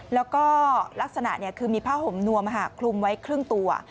แล้วก็ลักษณะคือมีผ้าห่มนวมคลุมไว้ครึ่งตัว